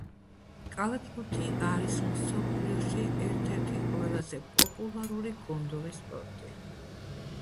კალათბურთი არის მსოფლიოში ერთ-ერთი ყველაზე პოპულარული გუნდური სპორტი